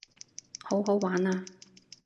好好玩啊